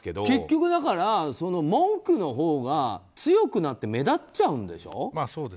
結局、文句のほうが強くなって目立っちゃうんでしょう。